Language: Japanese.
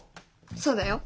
そうだよ。